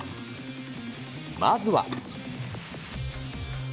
まずは。